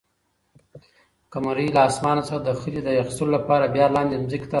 قمرۍ له اسمانه څخه د خلي د اخیستلو لپاره بیا لاندې ځمکې ته راغله.